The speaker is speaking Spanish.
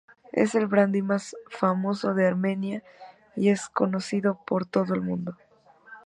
Es el brandy más famoso de Armenia y es conocido por todo el mundo.